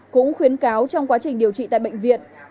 cũng khuyến cáo trong quá trình điều trị tại bệnh viện